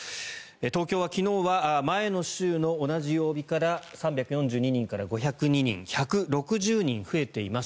東京は昨日は前の週の同じ曜日から３４２人から５０２人１６０人増えています。